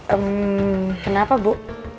eh kenapa bu